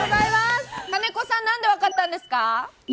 金子さん何で分かったんですか。